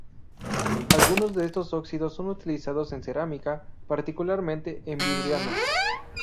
Algunos de estos óxidos son utilizados en cerámica, particularmente en vidriados.